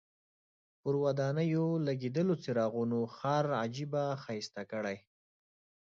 پر ودانیو لګېدلو څراغونو ښار عجیبه ښایسته کړی.